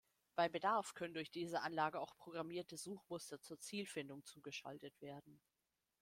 Bei Bedarf können durch diese Anlage auch programmierte Suchmuster zur Zielfindung zugeschaltet werden.